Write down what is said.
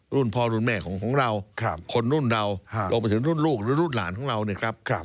รุ่นพ่อรุ่นแม่ของเราคนรุ่นเรารวมไปถึงรุ่นลูกหรือรุ่นหลานของเราเนี่ยครับ